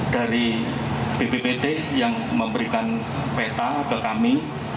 dari bppt yang memberikan peta ke kami